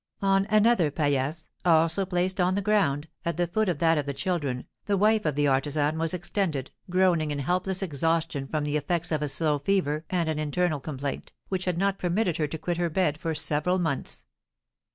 On another paillasse, also placed on the ground, at the foot of that of the children, the wife of the artisan was extended, groaning in helpless exhaustion from the effects of a slow fever and an internal complaint, which had not permitted her to quit her bed for several months.